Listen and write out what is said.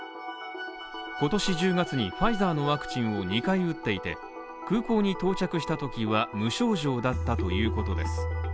今年１０月にファイザーのワクチンを２回打っていて空港に到着したときは無症状だったということです。